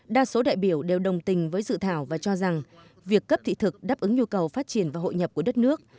đa số đại biểu đều đồng tình với dự thảo và cho rằng việc cấp thị thực đáp ứng nhu cầu phát triển và hội nhập của đất nước